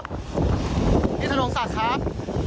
ขอถามเขาหน่อยได้ไหมครับ